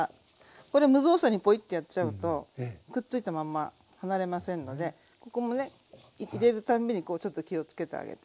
これ無造作にポイッてやっちゃうとくっついたまんま離れませんのでここもね入れるたんびにこうちょっと気をつけてあげて。